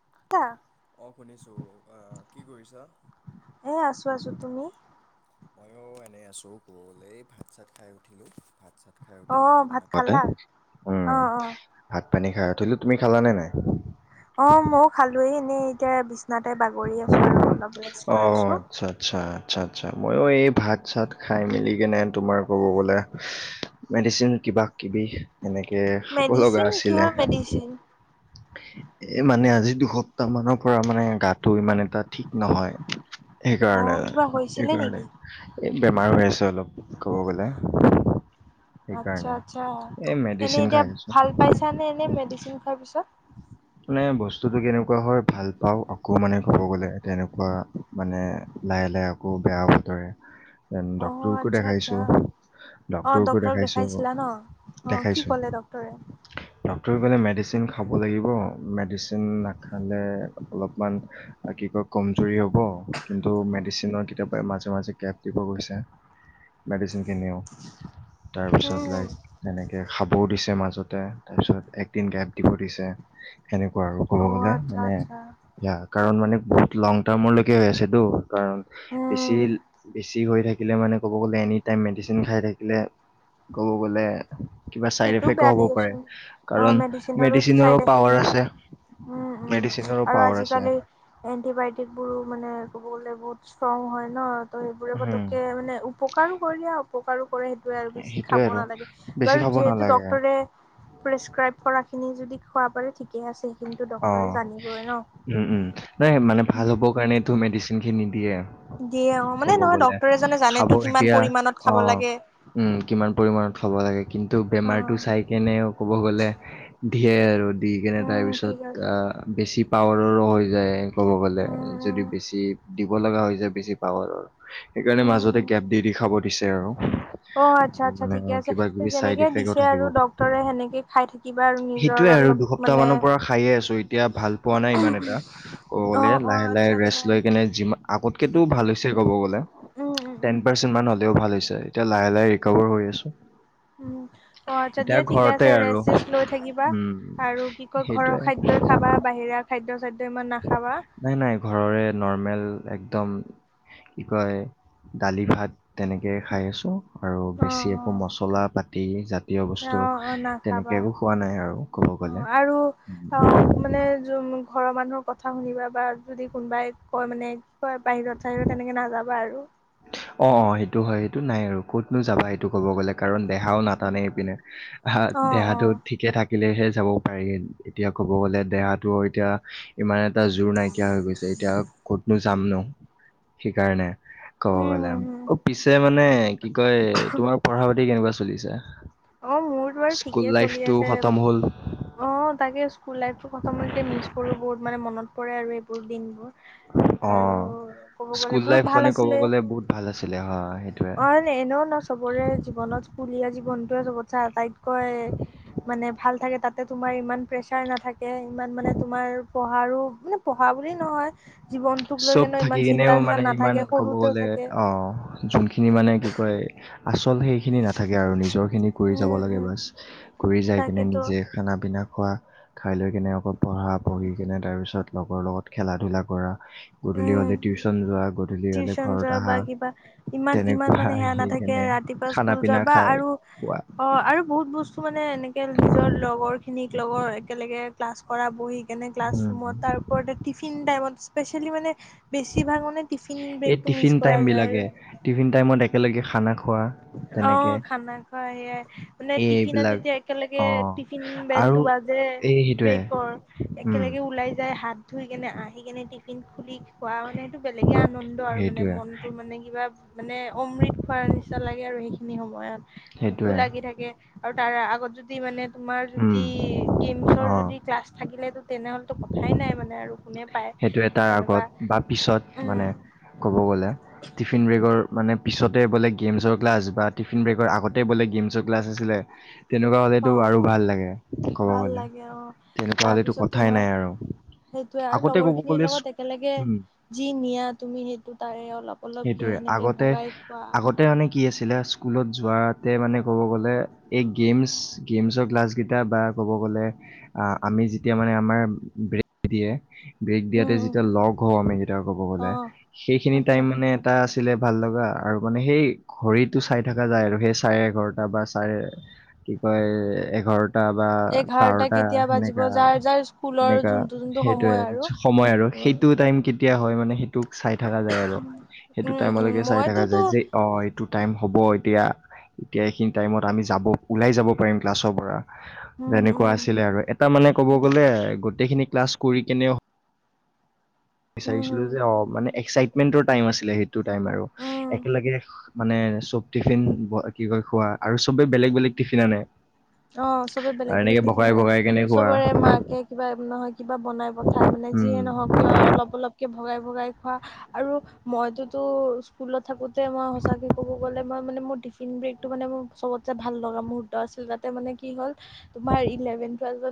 [unintelligible] অ শুনিছো আহ কি কৰিছা আছো আছো তুমি ময়ো এনেই আছো কব গলে এই ভাত চাত খাই উঠিলো ভাত চাত ভাত খাই অ উঠিলো অলপ ভাত মানে খালা উম অ অ ভাত পানী খাই উঠিলোঁ তুমি খালা নে নাই অ মইও খালো লৈ এনেই এতিয়া বিছনাতে বাগৰি আছো আৰু অলপ ৰেষ্ট অ লৈ আছো আচ্ছা আচ্ছা আচ্ছা আচ্ছা ময়ো এই ভাত চাত খাই মেলি কেনে তোমাৰ ক'ব গ'লে মেডিচিন কিবা কিবি এনেকে খাব লগা মেডিচিন আছিলে কিহৰ মেডিচিন এ মানে আজি দুসপ্তাহ মানৰ পৰা মানে গাটো ইমান এটা ঠিক নহয়। অ সেইকাৰণে কিবা হৈছিলে সেইকাৰণে নেকি এ বেমাৰ হৈ আছে অলপ কব গলে আতছা সেইকাৰণে আতছা এই এনে মেডিচিন এতিয়া খাই আছো ভাল পাইছা নে এনে মেডিচিন তাৰ পিছত মানে বস্তুটো কেনেকুৱা হয় ভাল পাও আকৌ মানে ক'ব গলে তেনেকুৱা মানে লাহে লাহে আকৌ বেয়া বতৰে অ ডক্তৰকো আচ্ছা আচ্ছা দেখাইছো অ ডক্তৰকো ডক্তৰক দেখাইছো দেখাইছিলা ন অ কি দেখাইছো ক'লে ডক্তৰে ডক্তৰ বোলে মেডিচিন খাব লাগিব মেডিচিন নাখালে অলপমান কি কয় কমজুৰি হ'ব কিন্তু মেডিচিনৰ কেতিয়াবা মাজে মাজে গেফট দিব কৈছে মেডিচিনখিনিও তাৰপিছত লাইক তেনেকে খাবও দিছে মাজতে তাৰ পিছত একদিন গেপ দিব দিছে সেনেকুৱা আৰু ক'ব অ গলে আচ্ছা মানে আচ্ছা সেয়া কাৰণ মানে বহুত লং টাৰ্মলৈকে হৈ আছেতো কাৰণ উম বেছি বেছি হৈ থাকে থাকিলে মানে ক'ব গ'লে এনি টাইম মেডিচিন খাই থাকিলে, ক'ব গ'লে। কিবা চাইড সেইটোও এফেক্ বেয়া হ'ব পাৰে, দিয়াচোন অ কাৰণ মেডিচিনৰো চাইড এফেক্ট পাৱাৰ। থাকে উম উম মেডিচিনৰো আৰু পাৱাৰ আছে আজিকালি, এন্টিবায়টিক বোৰো মানে। বলে বহুত ষ্ট্ৰং হয় ন। ত সেইবোৰে উম পতকে মানে উপকাৰো। ৰীলে উপকাৰো। [unintelligible] কৰে সেইটোৱে আৰু বেছি খাব সেইটোয়ে আৰু নালাগে বেছি বাৰু। খাব যিহেতু নালাগে ডক্টৰৰে। প্ৰেছক্ৰাইব কৰাখিনি যদি খোৱা পাৰে ঠিকে আছে। সেইখিনিতো অ ডক্তৰে জানিবই ন উম উম নাই মানে ভাল হ'বৰ কাৰণে তো মেডিচিন খিনি নিদিয়ে। দিয় অ মানে নহয় ডক্তৰ এজনে খাব জানেতো কিমান এতিয়া পৰিমানমানত খাব লাগে। থ'ব লাগে। কিন্তু অ বেমাৰটো চাই কেনেও ক'ব গ'লে। ধিয়ে আৰু। দি কেনে উম তাৰপিছত। ঠিক আছে বেছি। পাৱাৰৰো হৈ যায়। [unintelligible] কব গলে, উম যদি উম বেছি। [unintelligible] বেছি পাৱৰ সেইকাৰণে উম মাজতে উম গেপ দি দি খাব। পিছে আৰু, অ আচ্ছা আচ্ছা মানে ঠিকে আছে কিবা কিবি যেনেকে চাইডফেক্ দিছে থাকিব আৰু কাৰে, ডক্তৰে সেনেকে খাই থাকিবা আৰু নিজৰ সেইটোয়ে আৰু অলপ দুসপ্তাহ মানৰ মানে পৰা খাইে আছো। [unintelligible] এতিয়া ভালপোৱা নাই ইমান এটা কবগলে অ', অ', লাহে লাহে আচ্ছা আচ্ছা আগতকেটো ঠিকে আছে ভালহৈছে কবগলে উম, উম, উম, তেনপাৰ্চেনমান হলেও ভাল [unintelligible] [unintelligible] এতিয়া লাহে লাহে ৰিকভাৰ হৈ আছল। [unintelligible] অ যদিয়ে ঠিকে আছে আৰু। ৰেষ্ট চেষ্ট লৈ থাকিবা। উম, খ সেইটোৱে। খাবা বাহিৰা খাদ্য খাদ্য। নাই নাই ঘৰৰে নৰ্মেল। একদম কি কয় দালি ভাত তেনেকৈ খাই আছোঁ। আৰু অ', বেছি একো অ', মচলা পাতি জাতীয় বস্তু, অ', অ', নাখাবা তেনেকে একো খোৱা নাই আৰু কব অ', গলে। আৰু অ', মানে ঘৰৰ মানুহৰ কথা শুনিবা বা যদি কোনোবাই কয় মানে। হয় বাহিৰত চাহিৰত তেনেকে নাযাব [unintelligible] বাৰু। অ অ সেইটো হয় সেইটো নাই আৰু কতনো যাবা সেইটো ক'ব গ'লে কাৰণ দেহাও নাটানে ইপিনে। হ অ', দেহাতো অ', ঠিকে থাকে। থাকিলেহে যাব পাৰি এতিয়া ক'ব গ'লে দেহাটো এতিয়া ইমানে এটা জোৰ নাইকিয়া হৈ গৈছে এতিয়া কতনো যাম ন সেইকাৰণে ক'ব উম, গলে হম, হম। অ পিছে মানে কি কয় তোমাৰ পঢ়া পাতি কেনেকুৱা চলিচে অ মোৰতো আৰু ঠিকে চলি আছে খতম হ'ল। অ তাকে স্কুল লাইফ খতম হল মিচ কৰো বহুত মানে মনত পৰে আৰু এইবোৰ দিনবোৰ অ আৰু ক'ব গ'লে স্কুল বহুত লাইফ ভাল খনে ক'ব আছিলে। গ'লে বহুত ভাল আছিলে হয় সেইটোয়ে অ', এনেও সেইটো টো কথা তাইত কয় মানে ভাল থাকে তাত তাতে তোমাৰ ইমান প্ৰেচাৰ নাথাকে ইমান মানে তোমাৰ পঢ়াৰো মানে পঢ়া বুলি নহয়। জীৱনটোক লৈ চব কেনে থাকি ইমান চিন্তা কেনেও চিন্তা মানে ইমান নাথাকে ক'ব সৰুতেও গ'লে থাকে অ যোনখিনি মানে কি কয় আ আচল সেইখিনি নাথাকে আৰু নিজৰ কৰি যাব উম, লাগে উম, বছ কৰি যাই কিনে তাকেতো নিজে খানা পিনা খোৱা খাই লৈ কেনে আকৌ পঢ়া পঢ়ি কেনে তাৰ পিছত লগৰ লগত খেলা ধূলা পৰা উম হ'লে টিউচন ঘৰত যোৱা বা আহা। কিবা ইমান ইমান তেনেকুৱা মানে সেয়া আহি নাথাকে কেনে ৰাতিপুৱা খানা স্কুল যোৱা পিনা বা খাই আৰু খোৱা অ আৰু বহুত বস্তু মানে এনেকে নিজৰ লগৰ খিনিক এক লগৰ একেলগে ক্লাছ কৰা বহি কেনে ক্লাছ উম, ৰুম তাৰওপৰতে টিফিন টাইমত স্পে খেলি মানে বেছিভাগ মানে টিফিন এই ব্ৰেকটো মিছ টিফিন টাইম কৰা বিলাকে টিফিন টাইমত একেলগে খানা খোৱা অঁ তেনেকে খানা খোৱা সেয়াই মানে টিফিনত এইবিলাক যেতিয়া একেলগে অ টিফিন আৰু বেলটো বাজে এই সেইটোৱে ব্ৰেকৰ উম একেলগে ওলাই যায় হাত। ধুই কেনে আহি কেনে টিফিন খুলি খোৱা ম মানে সেইটো বেলেগে আনন্দ আৰু মানে সেইটোৱে মনতটো মানে কিবা মানে অমৃত খোৱাৰ নিচিনা আৰু সেইখিনি সময়ত ভোকো সেইটোৱে লাগি থাকে। আৰু তাৰ আগত। যদি মানে তোমাৰ উম যদি গেমছৰ অ যদি ক্লাছ থাকিলেতো তেনেহ'লেতো কথাই নাই মানে আৰু কোনে। পায় সেইটো এটাৰ আগত সেনেকুৱা বা পিছত মানে উম ক'ব গ'লে টিফিন বেগৰ মানে পিছত। তাতে বোলে গেমছৰ ক্লাজ বা টিফিন ব্ৰেকৰ আগতে বোলে গেমছ ক্লাজ আছিলে। তেনেকুৱা হলেতো অ আৰু ভাল লাগে ক'ব ভাল গলে লাগে অ তেনেকুৱা হলেতো তাৰপিছত কথাই তোমাৰ নাই আৰু। সেইটোৱে আৰু আগতে লগৰ ক'ব খিনিৰ গ'লে স্ক- লগত একেলগে উম, যি নিয়া তুমি সেইটো তাৰে অলপ অলপকে সেইটোয়ে সেনেকে আগতে ভগাই খোৱা আগতে মানে কি আছিলে স্কুলত যোৱাতে মানে ক'ব গ'লে এই গেমছ গেমছৰ ক্লাছকেইটা বা ক'ব গ'লে আমি যেতিয়া মানে আমাৰ ব্ৰেইন দিয়ে ব্ৰেক দিয়াতে উম উম যেতিয়া লগ হম কব অ গলে সেইখিনি টাইম আচ্ছা মানে এটা। ছিলে ভাল লগা আৰু মানে সেই ঘড়ীতটো চাই থকা যায় আৰু সেই চাৰে এঘাৰটা বা চাৰে কি কয় এঘাৰ। এঘাৰটা কেতিয়া বাজিব যাৰ যাৰ স্কুলৰ এনেকা যোনটো যোনটো সেইটোয়ে সময় আৰু। সময় আৰু উম সেইটো টাইম কেতিয়া হয় মানে সেইটোোক চাই থকা যায় আৰু সেইটো উম উম টাইমলৈকে চাই থকা যায় মইতোতো যে অ এইটো টাইম হ'ব। এতিয়া এতিয়া এইখিনি টাইমত আমি যাব ওলাই যাব পাৰিম ক্লাছৰ পৰা। উম যেনেকুৱা উম আছিলে আৰু এটা মানে কব উম গ'লে গোটেইখিনি। ক্লাছ কৰি কেনেও, উম বিচাৰিছিলো উম যে, অ মানে এক্- টাইম আছিলে সেইটো টাইম আৰু উম একেলগে মানে চব টিফিন কিবা খোৱা আৰু চবে বেলেগ বেলেগ টিফিন আনে। অ চবে বেলেগ আৰু বেলেগ এনেকে টিফিন ভগাই আনে ভগাই কেনে খোৱা চবৰে মাকে কিবা নহয়। কিবা বনাই পঠাই মানে উম যিয়ে নহওক কিয় অলপ অলপকে। ভগাই ভগাই খোৱা আৰু মইতোতো স্কুলত থাকোতে মই সচাকে ক'ব গ'লে মই মানে মোৰ টিফিন ব্ৰেকটো মানে মোৰ চবত ভাল লগা মুহুৰৰ্ত আছিল ত। মানে কি হল তোমাৰ ইল্লেভেন ক্লাছৰ,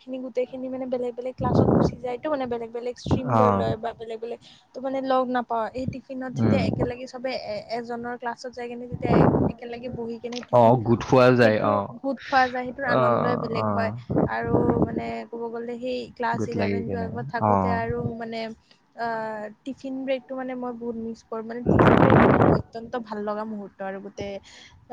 খিনি গোটেই খিনিানেলেগ বেলেগ ক্লাছ গুচি যায়তো বেলেগ বেলেগ ষ্ট্ৰীম অ লৈ লয় বা বেলেগ -বেলেগ, তো মানে লগ নাপাও এই, টিফিনত উম যেতিয়া একেলগে চবে এ! এজনৰ, ক্লাছত যাই কেনে যেতিয়া একেলগে বহি কেনে অ টিফিন গোট খাওঁ খোৱা যায় সেইটো। অ খোৱা জাই সেইটো আনন্দই অ', বেলেগ হৈ অ', আৰু মানে কব গলে সেই ক্লাছ গোট লাগি ইলেভেন কেনে টোৱেলভ ত থাকোঁতে অ', আৰু মানে আ টিফিন। টিফিন ব্ৰেক টো মানে মই বহুত মিছ কৰো। মানে টিফিন বেগটো মে অত্যন্ত ভাল লগা মুহূৰ্ত। আৰু গোটেই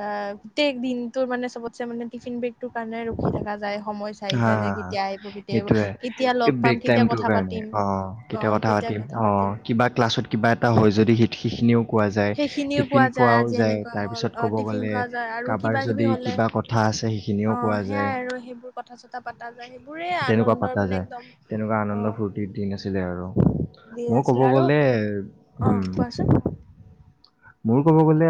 আহ গোটেই দিনটোৰ মানে চবত। মানে টিফিন ব্ৰেকটোৰ কাৰণে ৰখি থকা যায়। সময় চাই হা চাই যে হা হা কেতিয়া আহিব কেতিয়া আহিব কেতিয়া সেইটোয়ে লগ পাম ব্ৰেক কেতিয়া টাইমটো কথা কাৰণে পাতিম অঁ, কেতিয়া কথা পাতিম অ কিবা ক্লাছত কিবা এটা হয় যদি সেইখিনিও, কোৱা যায় সেইখিনিও পোৱা টিফিন খোৱাও আজি যায় এনেকুৱা হ'ল অ তাৰপিছত ক'ব টিফিন গ'লে খোৱা যায় আৰু কিবা কাৰোবাৰ কিবি যদি হ'লে কিবা কথা আছে অ সেইখিনিও কোৱা যায়। সেয়াই আৰু সেইবোৰ কথা চথা পতা যায় সেইবোৰে তেনেকুৱা আনন্দৰ পতা মানে যায় একদম তেনেকুৱা অ আনন্দ ফূৰ্তিৰ দিন আছিলে আৰু দিন মই কব আছিলে আৰু গ'লে অ উম। কোৱাচোন মোৰ ক'ব গ'লে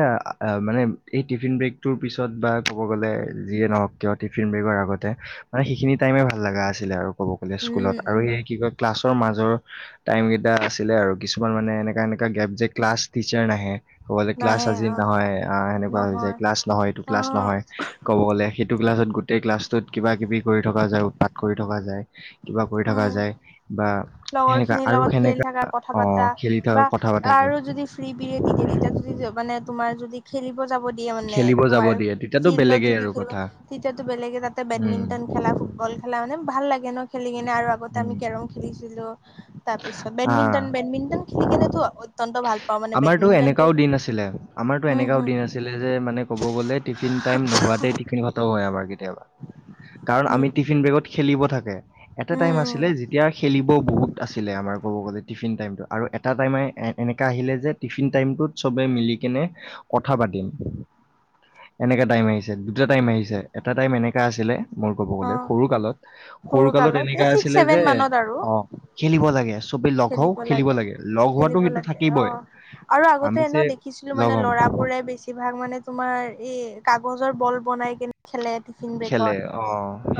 মানে এই টিফিন ব্ৰেকটোৰ পিছত বা ক'ব গ'লে যিয়ে নহওক কিয় টিফিন ব্ৰেকৰ আগতে মানে সেইখিনি টাইমে ভাল লগা আছিলে আৰু। ক'ব গ'লে উম স্কুলত আৰু উম কি কয় ক্লাছ। মাজৰ টাইম কেইটা আছিলে আৰু কিছুমান মানে এনেকা এনেকোৱা গ্ৰেফ যে ক্লাছ টিচাৰ নাহে। ক'বলে ক্লাছ নাহে আজি অ নহয় আহ সেনেকোৱা হৈ যায় নহয় ক্লাছ নহয় এইটো অ ক্লাছ নহয় ক'ব গলে সেইটো ক্লাছত গোটেই ক্লাছটোত কিবা কিবি কৰি থকা যায় উৎপাত কৰি থকা যায়। কিবা কৰি থকা উম যায় বা লগৰ সেনেকোৱা খিনিৰ আৰু লগত খেলি থাকা সেনেকা কথা পাতা অঁ, খেলি বা থকা কথা পতা যায়। এতিয়া যদি মানে তোমাৰ যদি খেলিব। যাব দিয়ে মানে খেলিব যাব তোমাৰ দিয়ে তেতিয়াতো ফিল্ডত বেলেগেই যদি আৰু খেলিব কথা। তেতিয়াতো বেলেগে তাতে উম, বেডমিন্টন খেলা ফুটবল খেলা মানে ভাল লাগে ন সেনে আৰু আগতে আমি কেৰম খেলিছিলো তাৰ পিছত অ বেডমিন্টন বেডমিন্টন খেলি কেনেতো অত্যন্ত ভাল পাওঁ মানে আমাৰতটো বেডমিন্টনটো এনেকাও দিন আছিলে আমাৰতো উম এনেকাও হম দিন আছিলে যে মানে কব গ'লে টিফিন টাইম নোহোৱাতে টিফিন খটম হয় আমাৰ কেতিয়া কাৰণ উম আমি টিফিন বেগত খেলিব থাকে এটা উম টাইম উম আছিলে যেতিয়া খেলিব বহুত আছিলে আমাৰ ক'ব গলে টিফিন টাইম আৰু এটা টাইম এনেকা আহিলে যে টিফিন টাইমটোত চবে মিলি কেনে কথা পাতিম এনেকা টাইম আহিছে দুটা টাইম আহিছে এটা টাইম এনেকা আছিলে মোৰ ক'ব অ গ'লে সৰু কালত সৰু কালত এনেকা এই ছিক্স আছিলে ছেভেন যে মানত আৰু অ শিকিব লাগে চবে লগ হওঁ খেলিব লাগে লগ হোৱাটো খেলিব সেইটো লাগে অ থাকিবই। আৰু আগতে আমি ন যে দেখিছিলো লগ মানে হ'ম, লৰাবোৰে বেছিভাগ মানে তোমাৰ এই কাগজৰ বল বনাই কেনে খেলে টিফিন খেলে বেগত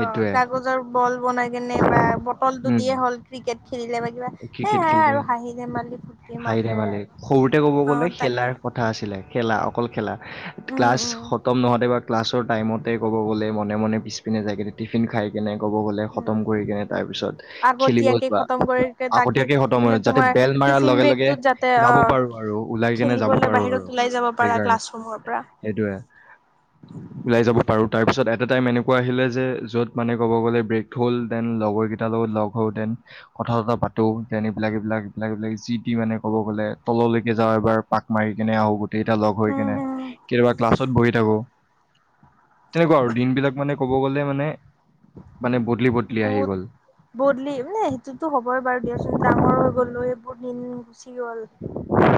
অ কাগজৰ বল বনাই কেনে বা বটল টো উম, দিয়ে হ'ল ক্ৰিকেট খেলিলে বা কিবা ক্ৰিকেট সেয়াই খেলিল আৰু হাঁহি ধেমালি ফূৰ্তিৰ হাঁহি মাজেৰে ধেমালি আৰু সৰুতে ক'ব অ গ'লে তাকে খেলাৰ কথা আছিলে খেলা অকল খেলা উম ক্লাছ উম খতম নহওঁতে বা ক্লাছৰ টাইমতে ক'ব গ'লে মনে মনে পিছপিনে যায় কিনে টিফিন খাইকিনে ক'ব গ'লে উম খতম কৰি কেনে তাৰ পিছত খেলিব আগতীয়াকে যোৱা খতম কৰি তাকি আগতীয়াকে খতম হৈ মানে যাতে তোমাৰ বেল মাৰাৰ টিফিন লগে লগে ব্ৰেকটোত যাতে অ যাব পাৰো আৰু ওলাই কেনে যাব খেলিবলৈ পাৰো আৰু বাহিৰত ওলাই যাব পাৰা সেইকাৰণে ক্লাছৰুমৰ পৰা সেইটোয়ে ওলাই যাব পাৰো তাৰপিছত এটা টাইম এনেকোৱা আহিলে যে য'ত মানে ক'ব গ'লে ব্ৰেক হ'ল দেন লগৰ কেইটাৰ লগত লগ হওঁতে দেন কথা বতা পাতো যেন এইবিলাক এইবিলাক এইবিলাক এইবিলাক যিটি মানে ক'ব গ'লে তললৈকে যাওঁ এবাৰ পাক মাৰি কেনে আহো গ এটা লগ হৈ উম কেনে হুম কেতিয়াবা ক্লাছত বহি থাকো তেনেকোৱা আৰু দিন বিলাক মানে কব' গলে মানে মানে ব বহুত বদলি মানে সেইটোতো হ'বই বাৰু দিয়াচোন ডাঙৰ হৈ গ'লো বহুদিন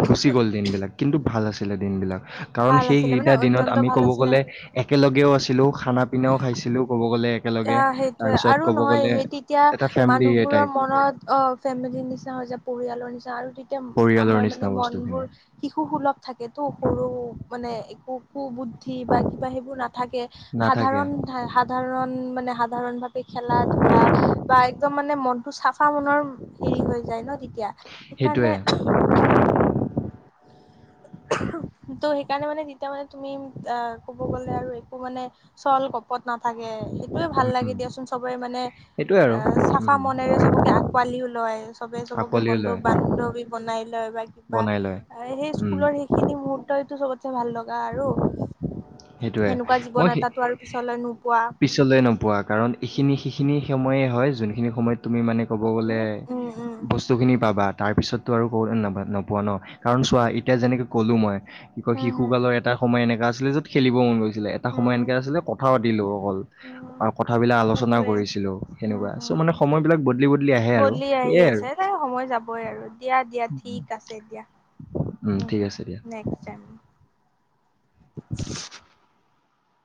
গুচি গ'ল দিনবলাক কিন্তু ভাল আছিল লে দিনবিলাক কাৰণ ভাল আছিলে মানে সেইকেইটা দিনত অত্যন্ত আমি ভাল ক'ব আছিলে গ'লে একেলগেও আছিলো খানা পিনাও খাইছিলো ক'ব গ'লে একেলগে। অ সেইটোয়ে তাৰপিছত আৰু ক'ব নহয় গ'লে সেই তেতিয়া এটা ফেমিলি মানুহবোৰৰ টাইপ মনত অ ফেমিলিৰ নিচিনা হৈ যায় পৰিয়াল নিচিনা তেতিয়া পৰিয়ালৰ আমাৰ নিচিনা মানে মন বস্তুখিনি বোৰ শিশু সুলভ থাকেতো সৰু মানে [unintelligible] সু-বুদ্ধি বা কিবা সেইবোৰ নাথাকে। নাথাকে। সাধাৰণ হে- সাধাৰণ মানে সাধাৰণভাৱে খেলাধূলা বা একদম মানে মনটো চাফ ফা মনৰ হেৰি হৈ যায় ন' তেতিয়া? সেইটোয়ে সেইকাৰণে তো সেইকাৰণে মানে এতিয়া মানে তুমি অ' ক'ব গ'লে আৰু একো মানে চল, কপট নাথাকে। সেইটোৱে ভাল লাগে উম, দিয়াচোন। চবে মানে সেইটোয়ে আৰু এ- চাফা উম, মনেৰে চবকে আঁকোৱালিও লয়, চবে চবকে আকোৱালি লয় বন্ধু-বান্ধৱী বনাই লয় বা কিবা বনাই লয়। এ- সেই উম, স্কুলৰ সেইখিনি মুহূৰ্তইতো চবত কে ভাল লগা আৰু সেইটোৱে। সেনেকুৱা জীৱন মই সেই-, এটাতো আৰু পিছলৈ নোপোৱা পিছলে নোপোৱা কাৰণ এইখিনি সিখিনি সময়ে হয়, যোন খিনি সময়ত তুমি মানে ক'ব তুমি গ'লে উম উম বস্তুখিনি পাবা তাৰপিছততো আৰু ক'বলে নাপ- নোপোৱা ন'। কাৰণ চোৱা, এতিয়া যেনেকে ক'লোঁ মই কি কয়, হম হম শিশুকালৰ এটা সময় এনেকা আ ছিলে খেলিব মন গৈ ছিলে। এটা সময় উম এনেকে আছিলে কথা পাতিলোঁ অকল। উম আৰু কথাবিলাক আলোচনা সেইটোৱে কৰিছিলোঁ, উম সেনেকুৱা। ছো, উম মানে সময়বিলাক বদলি - বদলি আহে আৰু। বদলি আহি সেয়ে আৰু। আছে তাই সময় যাবই আৰু দিয়া দিয়া ঠিক আছে দিয়া উম, ঠিক আছে দিয়া। [inaudible]